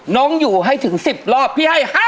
น้องอยู่ให้ถึง๑๐รอบพี่ให้๕๐